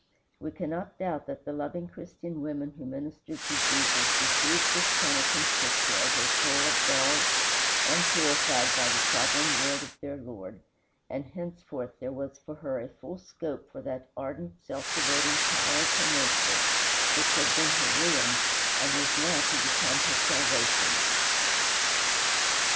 We cannot doubt that the loving Christian women who ministered to Jesus received this penitent sister as a soul absolved and purified by the sovereign word of their Lord, and henceforth there was for her a full scope for that ardent, self devoting power of her nature which had been her ruin, and was now to become her salvation.